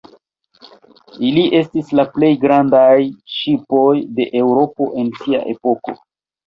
Ili estis la plej grandaj ŝipoj de Eŭropo en sia epoko.